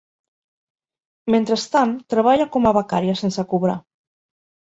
Mentrestant treballa com a becària sense cobrar.